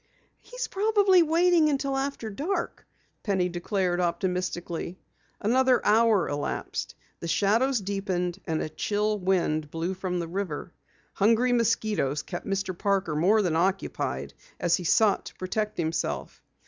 "He's probably waiting until after dark," Penny declared optimistically. Another hour elapsed. The shadows deepened and a chill wind blew from the river. Hungry mosquitoes kept Mr. Parker more than occupied as he sought to protect himself.